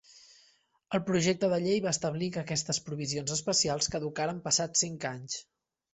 El projecte de llei va establir que aquestes provisions especials caducaren passats cinc anys.